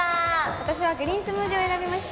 私はグリーンスムージーを選びました。